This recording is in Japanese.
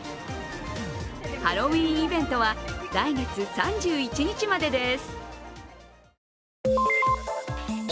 ハロウィーンイベントは来月３１日までです。